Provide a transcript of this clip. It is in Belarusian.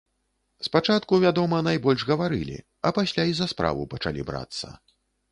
Спачатку, вядома, найбольш гаварылі, а пасля і за справу пачалі брацца.